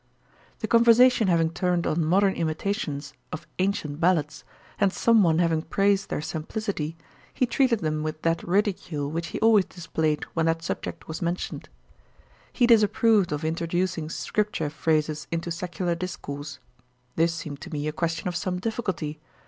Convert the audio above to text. The conversation having turned on modern imitations of ancient ballads, and some one having praised their simplicity, he treated them with that ridicule which he always displayed when that subject was mentioned. He disapproved of introducing scripture phrases into secular discourse. This seemed to me a question of some difficulty.